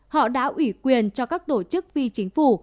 họ đã ủy quyền cho các tổ chức phi chính phủ